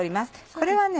これはね